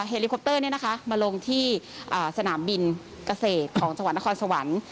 การไฮรี่โครปเตอร์นี่นะคะมาลงที่สนามบินเกษตรของสนสวรรค์